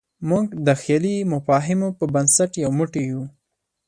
موږ د خیالي مفاهیمو په بنسټ یو موټی یو.